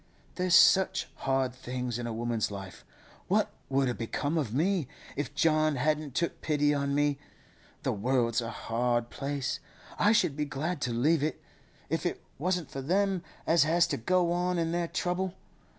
'There's such hard things in a woman's life. What would a' become of me, if John hadn't took pity on me! The world's a hard place; I should be glad to leave it, if it wasn't for them as has to go on in their trouble.